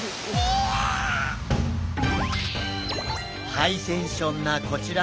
ハイテンションなこちらの男性。